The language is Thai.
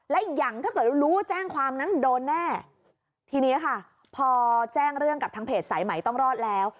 และอย่างถ้าเกิดรู้แจ้งความนั้นโดนแน่ทีนี้ค่ะพอแจ้งเรื่องกับทางเพจสายใหม่ต้องรอดแล้ว